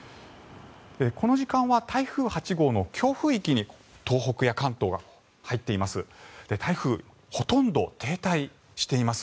この時間は台風８号の強風域に東北や関東が入っています。